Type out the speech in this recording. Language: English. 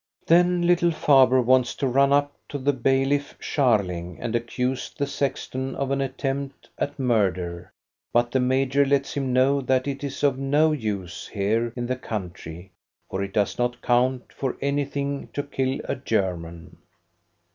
Then little Faber wants to run up to the bailiff Scharling and accuse the sexton of an attempt at murder, but the major lets him know that it is of no use here in the country, for it does not count for anything to kill a German.